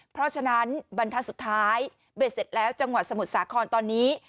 เพราะฉะนั้นบรรทัศน์สุดท้ายเบ็ดเสร็จแล้วจังหวัดสมุทรสาครตอนนี้